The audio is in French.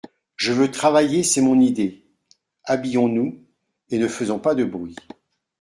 Je veux travailler, c'est mon idée … Habillons-nous et ne faisons pas de bruit.